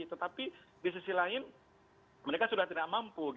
tetapi di sisi lain mereka sudah tidak mampu